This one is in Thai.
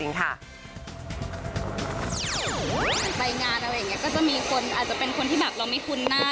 งานไปงานอะไรอย่างนี้ก็จะมีคนอาจจะเป็นคนที่แบบเราไม่คุ้นหน้า